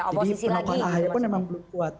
jadi penolakan ahaya pun memang belum kuat